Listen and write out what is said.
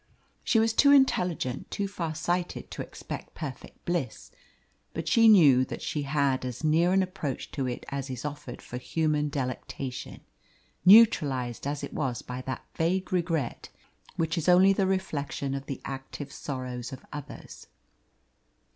She was too intelligent, too far sighted to expect perfect bliss, but she knew that she had as near an approach to it as is offered for human delectation, neutralised as it was by that vague regret which is only the reflection of the active sorrows of others.